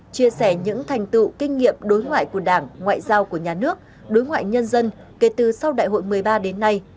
chia sẻ những thành tựu kinh nghiệm đối ngoại của đảng ngoại giao của nhà nước đối ngoại nhân dân kể từ sau đại hội một mươi ba đến nay